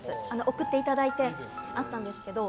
送っていただいてあったんですけど。